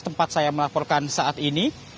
tempat saya melaporkan saat ini